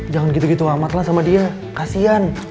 jangan gitu gitu amat lah sama dia kasian